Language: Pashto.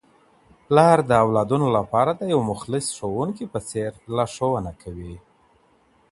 پلار د اولادونو لپاره د یو مخلص ښوونکي په څېر لارښوونه کوي.